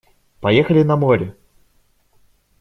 Поехали на море!